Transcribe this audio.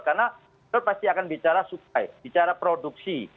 karena kita pasti akan bicara supply bicara produksi